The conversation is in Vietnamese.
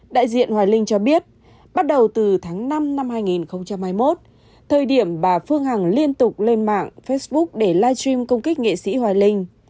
đại diện hoài linh cho biết bắt đầu từ tháng năm năm hai nghìn hai mươi một thời điểm bà phương hằng liên tục lên mạng facebook để live stream công kích nghệ sĩ hoài linh